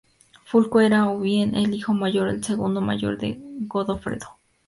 Fulco era o bien el hijo mayor o el segundo mayor de Godofredo.